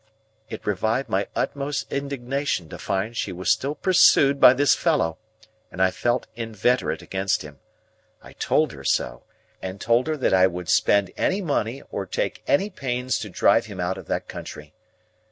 It revived my utmost indignation to find that she was still pursued by this fellow, and I felt inveterate against him. I told her so, and told her that I would spend any money or take any pains to drive him out of that country.